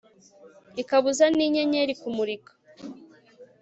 ikabuza n'inyenyeri kumurika